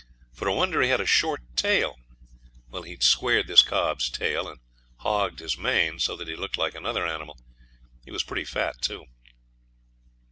For a wonder, he had a short tail. Well, he'd squared this cob's tail and hogged his mane so that he looked like another animal. He was pretty fat, too.